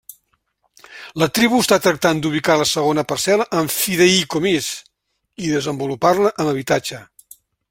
La tribu està tractant d'ubicar la segona parcel·la en fideïcomís i desenvolupar-la amb habitatge.